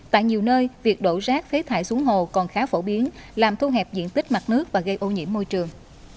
tại nhiều nơi việc đổ rác phế thải xuống hồ còn khá phổ biến làm thu hẹp diện tích mặt nước và gây ô nhiễm môi trường